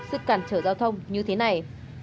sức cản trở giao thông như thế này